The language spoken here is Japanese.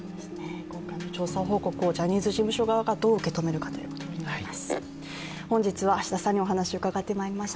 今回の調査報告書をジャニーズ事務所側がどう受け止めるかということになります。